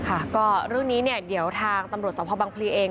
ค่ะก็เรื่องนี้เนี่ยเดี๋ยวทางตำรวจสภบังพลีเอง